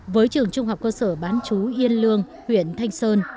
với trường trung học cơ sở bán chú yên lương huyện thanh sơn